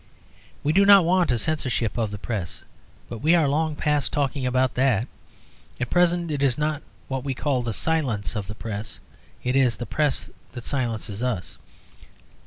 We do not want a censorship of the Press; but we are long past talking about that. At present it is not we that silence the Press; it is the Press that silences us.